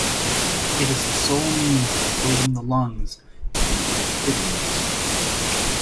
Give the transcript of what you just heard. It is the sole means of inflating the lungs in amphibians.